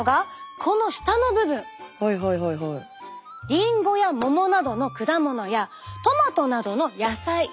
リンゴやモモなどの果物やトマトなどの野菜。